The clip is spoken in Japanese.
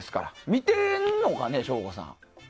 見てるのかね、省吾さん。